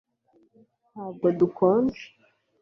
Ntabwo dukonje